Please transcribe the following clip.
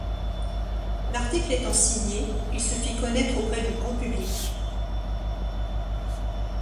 L’article étant signé, il se fit connaitre auprès du grand public.